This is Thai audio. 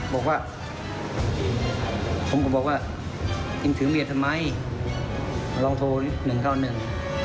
บอกว่าผมก็บอกว่าเองถือเบียดทำไมลองโทรหนึ่งเก้าหนึ่ง